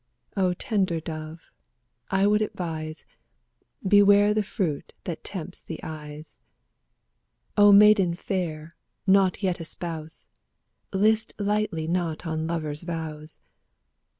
O tender dove, I would advise, * Beware the fruit that tempts thy eyes !^ O maiden fair, not yet a spouse, List lightly not to lovers' vows!